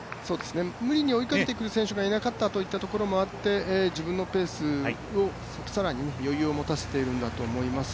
無理に追いかけてくる選手がいなかったというところもあって自分のペースを更に余裕を持たせているのだと思います。